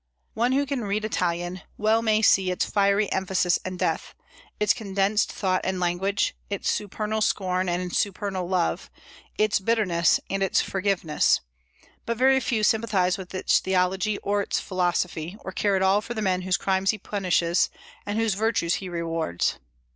One who can read Italian well may see its "fiery emphasis and depth," its condensed thought and language, its supernal scorn and supernal love, its bitterness and its forgiveness; but very few sympathize with its theology or its philosophy, or care at all for the men whose crimes he punishes, and whose virtues he rewards.